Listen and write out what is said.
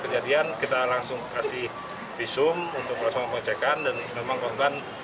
setelah kejadian kita langsung kasih visum untuk langsung pencekan